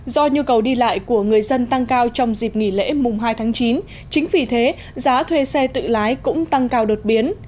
do nhu cầu đi lại của người dân tăng cao trong dịp nghỉ lễ mùng hai tháng chín chính vì thế giá thuê xe tự lái cũng tăng cao đột biến